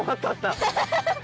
アハハハ！